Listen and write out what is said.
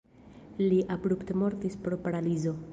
Li abrupte mortis pro paralizo.